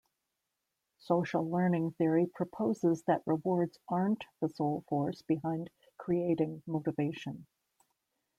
Social Learning theory proposes that rewards aren't the sole force behind creating motivation.